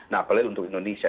nah apalagi untuk indonesia